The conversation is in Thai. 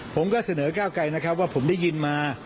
ผมก็เสนอก้าวไกลนะครับว่าผมได้ยินมา